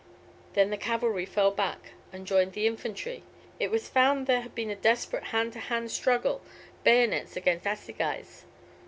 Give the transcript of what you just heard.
Then the cavalry fell back and joined the infantry. It was found there had been a desperate hand to hand struggle, bayonets against assegais.